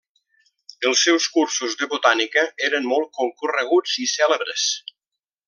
Els seus cursos de botànica eren molt concorreguts i cèlebres.